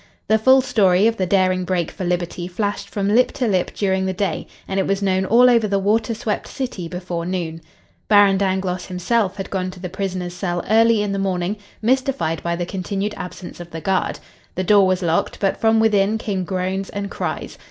The full story of the daring break for liberty flashed from lip to lip during the day, and it was known all over the water swept city before noon. Baron Dangloss, himself, had gone to the prisoner's cell early in the morning, mystified by the continued absence of the guard. The door was locked, but from within came groans and cries.